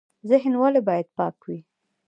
ذهن ولې باید پاک وي؟